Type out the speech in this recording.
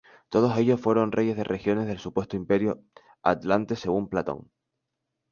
Todos ellos fueron reyes de regiones del supuesto imperio atlante según Platón.